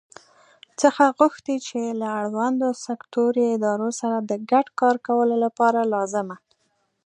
څخه غوښتي چې له اړوندو سکټوري ادارو سره د ګډ کار کولو لپاره لازمه